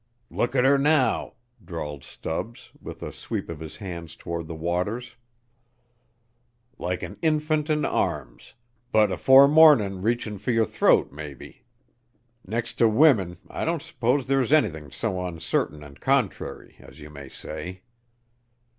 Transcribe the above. "Look at her now," drawled Stubbs, with a sweep of his hand towards the waters, "like an infant in arms, but afore mornin' reachin' for yer throat, maybe. Next to wimen I don't s'pose there's anythin' so uncertain and contrary, as you may say."